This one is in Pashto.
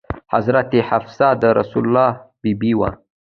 حضرت حفصه د رسول الله بي بي وه.